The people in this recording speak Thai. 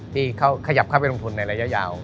ที่เขาขยับเข้าไปลงทุนในระยะยาว